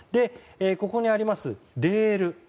ここにあります、レール。